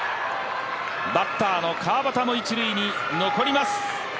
バッターの川畑も一塁に残ります。